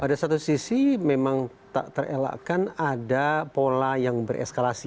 pada satu sisi memang tak terelakkan ada pola yang bereskalasi